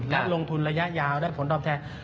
และลงทุนระยะยาวได้ผลตอบแทน